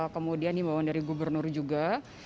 kemudian himbawan dari gubernur juga